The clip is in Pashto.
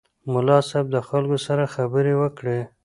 ملا صیب د خلکو سره خبرې وکړې.